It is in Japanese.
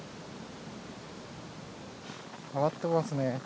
上がってますね